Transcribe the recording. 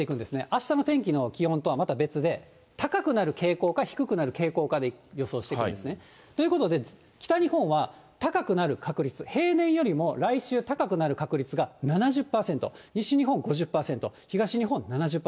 あしたの天気の気温とはまた別で、高くなる傾向か、低くなる傾向かで予想していくんですね。ということで、北日本は高くなる確率、平年よりも、来週、高くなる確率が７０％、西日本５０％、東日本７０％。